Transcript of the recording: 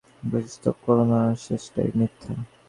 আমাকে স্তব কোরো না, সেইটেই মিথ্যা।